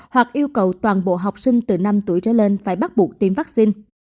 hoặc yêu cầu toàn bộ học sinh từ năm tuổi trở lên phải bắt buộc tiêm vaccine